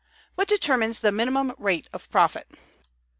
What determines the minimum rate of Profit?